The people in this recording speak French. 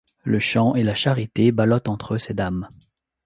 Le chant et la charité ballottent entre eux ces dames.